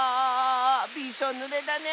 びしょぬれだね！